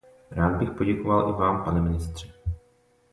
Rád bych poděkoval i vám, pane ministře.